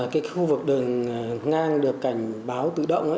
cái khu vực đường ngang được cảnh báo tự động